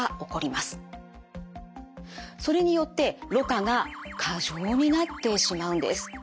それによってろ過が過剰になってしまうんです。